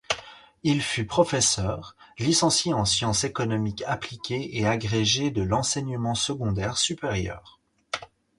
Il fut professeur; licencié en sciences économiques appliquées et agrégé de l'enseignement secondaire supérieur.